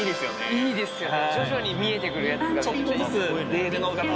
いいですよね。